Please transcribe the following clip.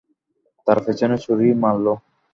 তার পেছনে ছুরি মারলো।